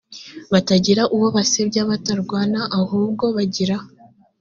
batagira uwo basebya batarwana ahubwo bagira